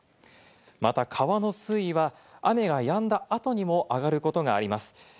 また川の水位は雨がやんだ後にも上がることがあります。